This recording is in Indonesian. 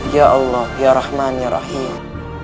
ya allah ya rahman ya rahim